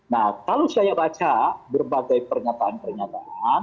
nah kalau saya baca berbagai pernyataan pernyataan